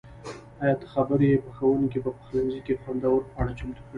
ایا ته خبر یې؟ پخونکي په پخلنځي کې خوندور خواړه چمتو کړي.